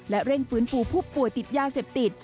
และเร่งฟื้นฟูผู้ป่วยติดยาเสพติด